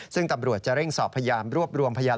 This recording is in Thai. ซึ่งตำรวจจะเร่งสอบพยายามรวบรวมพยาน